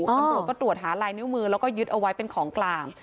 ตำรวจก็ตรวจหาลายนิ้วมือแล้วก็ยึดเอาไว้เป็นของกลาง